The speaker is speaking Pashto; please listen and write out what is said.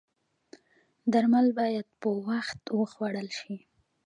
درمل باید په وخت وخوړل شي